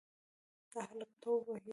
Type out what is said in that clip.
دا هلک توپ وهي.